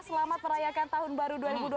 selamat merayakan tahun baru dua ribu dua puluh